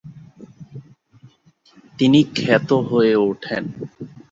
তিনি খ্যাত হয়ে উঠেন।